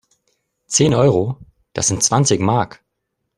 Zehn Euro? Das sind zwanzig Mark!